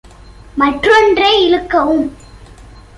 மற்றொன்றை இழுக்கவும்!